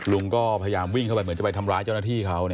ลุงก็พยายามวิ่งเข้าไปเหมือนจะไปทำร้ายเจ้าหน้าที่เขา